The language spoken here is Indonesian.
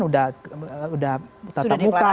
sudah tatap muka